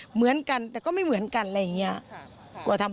เหมือนกันแต่ก็ไม่เหมือนกันอะไรอย่างนี้